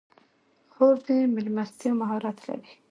خور د میلمستیا مهارت لري.